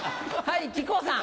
はい。